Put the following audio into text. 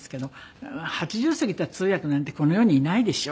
８０過ぎた通訳なんてこの世にいないでしょ。